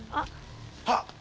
あっ。